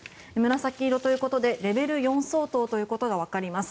紫色ということでレベル４ということが分かります。